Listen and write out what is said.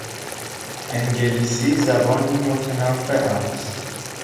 انگلیسی زبانی متنوع است.